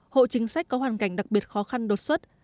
hộ chính sách có hoàn cảnh đặc biệt khó khăn đột xuất